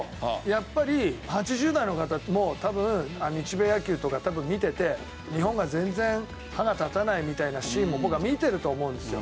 やっぱり８０代の方って多分日米野球とか見てて日本が全然歯が立たないみたいなシーンも僕は見てると思うんですよ。